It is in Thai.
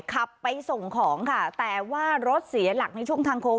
ขับไปส่งของค่ะแต่ว่ารถเสียหลักในช่วงทางโค้ง